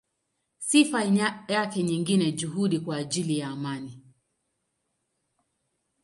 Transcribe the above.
Sifa yake nyingine ni juhudi kwa ajili ya amani.